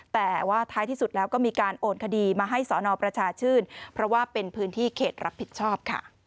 แต่ว่าท้ายที่สุดแล้วก็มีการโอนคดีมาให้สนประชาชื่นเพราะว่าเป็นพื้นที่เขตรับผิดชอบค่ะ